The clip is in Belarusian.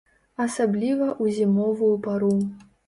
Асабліва ў зімовую пару.